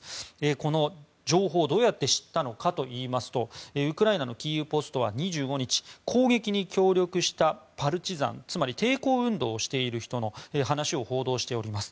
この情報をどうやって知ったのかといいますとウクライナのキーウ・ポストは２５日、攻撃に協力したパルチザン、つまり抵抗運動をしている人の話を報道しております。